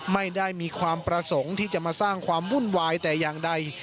ไม่ได้มีความประสงค์ที่จะมาสร้างความวุ่นวายแต่อย่างใด